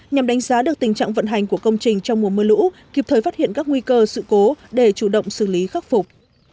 nhằm đánh giá được tình trạng vận hành của công trình trong mùa mưa lũ kịp thời phát hiện các nguy cơ sự cố để chủ động xử lý khắc phục